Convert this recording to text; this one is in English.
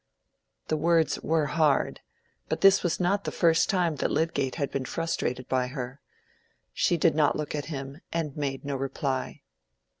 The words were hard; but this was not the first time that Lydgate had been frustrated by her. She did not look at him, and made no reply.